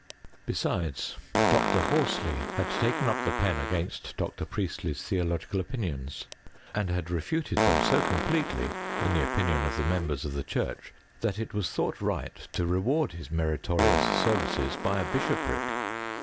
Besides, Dr. Horsley had taken up the pen against Dr. Priestley's theological opinions, and had refuted them so completely in tbs opinion of the members of the church, that it wa« thought right to reward his meritorious services bf a bishopric.